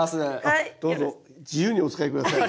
あっどうぞ自由にお使い下さい。